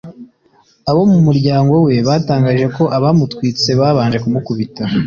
Abo mu muryango we batangaje ko abamutwitse babanje kumukubita